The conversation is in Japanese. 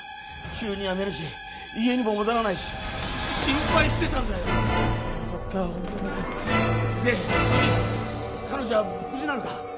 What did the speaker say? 急に辞めるし家にも戻らないし心配してたんだよよかったホントよかったで乃木彼女は無事なのか？